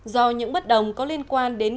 do những bất đồng có liên quan đến